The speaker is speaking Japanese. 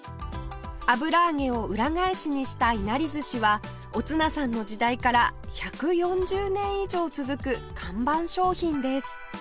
油揚げを裏返しにしたいなり寿司はおつなさんの時代から１４０年以上続く看板商品です